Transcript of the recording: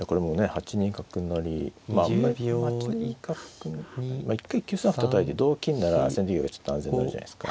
８二角成まああんまり８二角一回９三歩たたいて同金なら先手玉がちょっと安全になるじゃないですか。